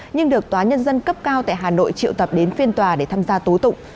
nhưng được tòa nhân dân cấp cao tại hà nội triệu tập đến phiên tòa để tham gia tố tụng